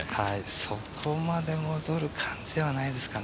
そこまで戻る感じではないですかね。